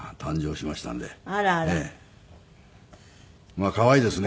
まあ可愛いですね。